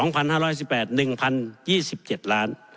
ปี๒๕๕๘๑๐๒๗ล้าน